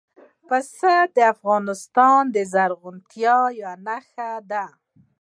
پسه د افغانستان د زرغونتیا یوه نښه ده.